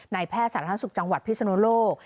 นายแพทย์สหรัฐศึกจังหวัดพิศนุโลก